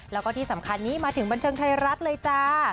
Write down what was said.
แล้วก็ที่สำคัญนี้มาถึงบันเทิงไทยรัฐเลยจ้า